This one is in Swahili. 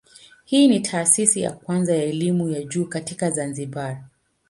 Hii ni taasisi ya kwanza ya elimu ya juu katika Zanzibar.